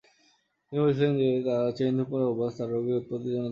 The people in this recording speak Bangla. তিনি বলেছিলেন যে তাঁর চেইন ধূমপানের অভ্যাস তার রোগের উৎপত্তির জন্য দায়ী ছিল।